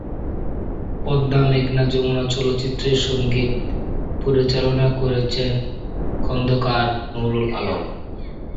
পদ্মা মেঘনা যমুনা চলচ্চিত্রের সঙ্গীত পরিচালনা করেছেন খন্দকার নুরুল আলম।